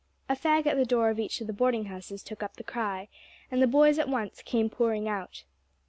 A fag at the door of each of the boarding houses took up the cry, and the boys at once came pouring out.